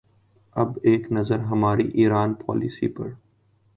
اب ایک نظر ہماری ایران پالیسی پر۔